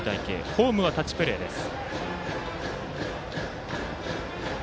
ホームはタッチプレーです。